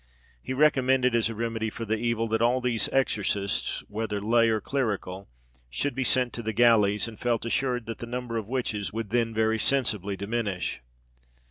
He recommended, as a remedy for the evil, that all these exorcists, whether lay or clerical, should be sent to the galleys, and felt assured that the number of witches would then very sensibly diminish.